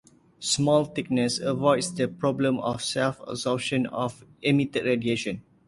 Small thickness avoids the problem of self-absorption of emitted radiation.